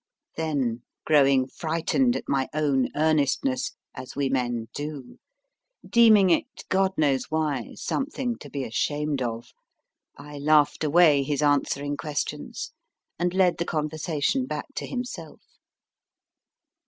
Then growing frightened at my own earnestness, as we men do, deeming it, God knows why, something INTRODUCTION xv to be ashamed of, I laughed away his answering ques tions, and led the conversation back to himself.